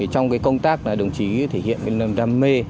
trong cái công tác là đồng chí thể hiện cái năng đam mê